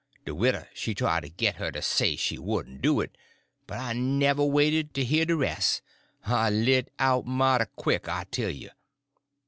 De widder she try to git her to say she wouldn' do it, but I never waited to hear de res'. I lit out mighty quick, I tell you.